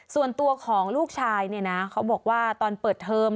ส่วนตัวของลูกชายเนี่ยนะเขาบอกว่าตอนเปิดเทอม